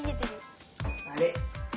あれ？